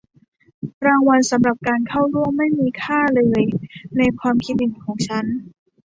รางวัลสำหรับการเข้าร่วมไม่มีค่าเลยในความคิดเห็นของฉัน